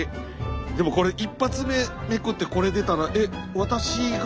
でもこれ１発目めくってこれ出たら「えっ私が？」って思っちゃう。